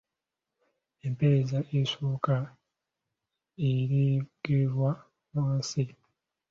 empeerezi esooka ereegerwa wansi